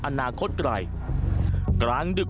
สวัสดีครับ